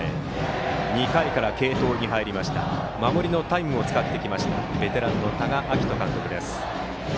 ２回から継投に入りました守りのタイムを使ってきましたベテランの多賀章仁監督です。